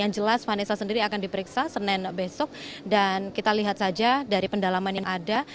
yang jelas vanessa sendiri akan diperiksa senin besok dan kita lihat saja dari pendalaman yang ada